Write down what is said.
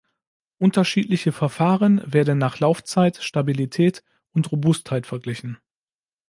Unterschiedliche Verfahren werden nach Laufzeit, Stabilität und Robustheit verglichen.